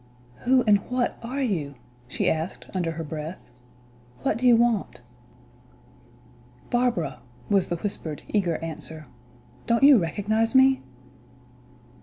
"Who and what are you?" she asked, under her breath. "What do you want?" "Barbara," was the whispered, eager answer, "don't you recognize me?"